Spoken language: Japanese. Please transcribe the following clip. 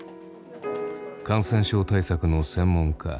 感染症対策の専門家